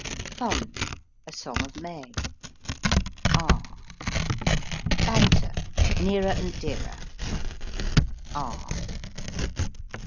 R, A Song of May . R. Nearer and Dearer R.